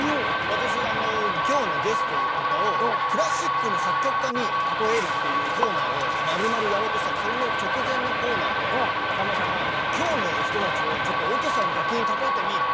私今日のゲストとかをクラシックの作曲家に例えるっていうコーナーをまるまるやろうとしたらそれの直前のコーナーでさんまさんが「今日の人たちをちょっとオーケストラの楽器に例えてみ」って。